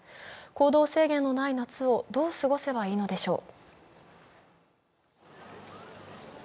行動制限のない夏をどう過ごせばいいのでしょう。